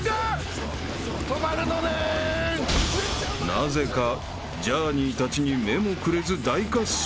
［なぜかジャーニーたちに目もくれず大滑走］